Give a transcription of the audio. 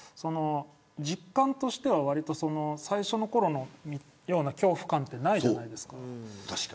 実感としては最初のころのような恐怖感ってないじゃないですか。